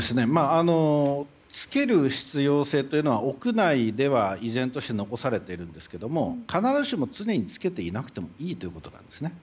着ける必要性というのは屋内では依然として残されていますが必ずしも常に着けておかなくてもいいんですよね。